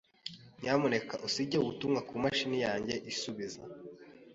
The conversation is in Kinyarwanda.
Nyamuneka usige ubutumwa kumashini yanjye isubiza.